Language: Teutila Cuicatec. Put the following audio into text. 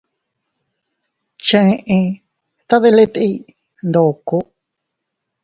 Cheʼe tadiliti ndoko.